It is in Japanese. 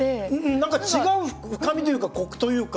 何か違う深みというかコクというか。